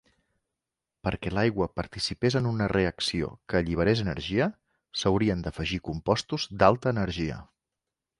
Perquè l'aigua participés en una reacció que alliberés energia, s'haurien d'afegir compostos d'alta energia.